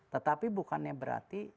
tetapi bukannya berarti